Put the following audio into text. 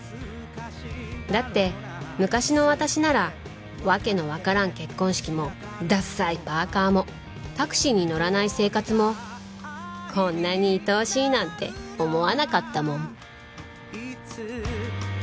だって昔の私なら訳のわからん結婚式もダッサいパーカーもタクシーに乗らない生活もこんなに愛おしいなんて思わなかったもん